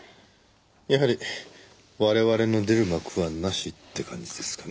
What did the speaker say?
やはり我々の出る幕はなしって感じですかね。